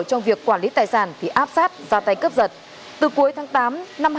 trong việc quản lý tài sản thì áp sát ra tay cướp giật từ cuối tháng tám năm hai nghìn hai mươi